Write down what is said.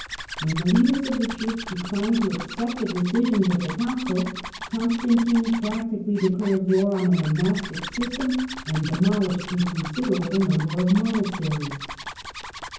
When the leaders of de Church declined to accept the decisions of the ouncil, Constantine practically declared war on the lonastic system and demolished a considerable number f monasteries.